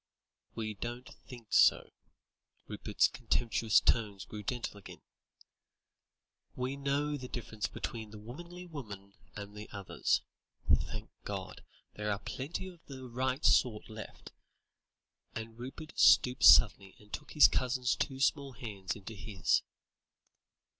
"We don't think so," Rupert's contemptuous tones grew gentle again; "we know the difference between the womanly woman and the others. Thank God, there are plenty of the right sort left," and Rupert stooped suddenly and took his cousin's two small hands into his.